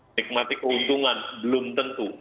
enigmatik keuntungan belum tentu